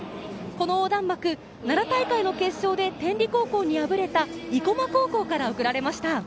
この横断幕、奈良大会の決勝で天理高校に敗れた生駒高校から送られました。